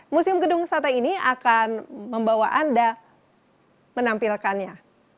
museum gedung sate ini akan membawa anda menampilkannya